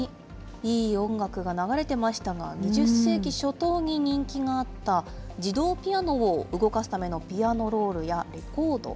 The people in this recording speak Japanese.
いい音楽が流れてましたが、２０世紀初頭に人気があった、自動ピアノを動かすためのピアノロールやレコード。